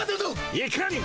いかにも。